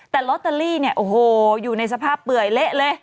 แต่ลอตเตอรี่เนี่ยโอ้โหอยู่ในสภาพเปื่อยเละเลย